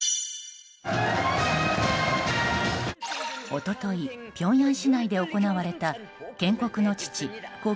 一昨日ピョンヤン市内で行われた建国の父故・